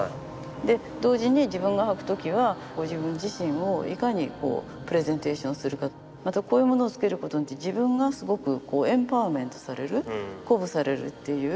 で同時に自分が履く時は自分自身をいかにプレゼンテーションするかまたこういうものを着けることによって自分がすごくエンパワメントされる鼓舞されるっていう。